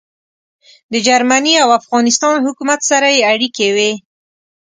د جرمني او افغانستان حکومت سره يې اړیکې وې.